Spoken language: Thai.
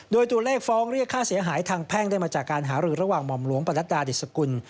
โดยตัวเลขฟ้องเรียกค่าเสียหายทางแพ่งได้มาจากการหารือระหว่างหม่อมหลวงประนัดดาดิสกุล